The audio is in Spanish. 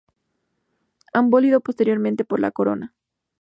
Abolido posteriormente por la corona.